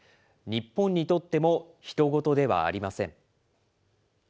日本にとってもひと事ではありません。